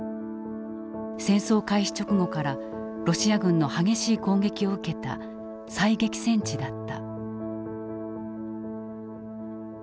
戦争開始直後からロシア軍の激しい攻撃を受けた最激戦地だった。